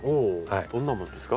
どんなものですか？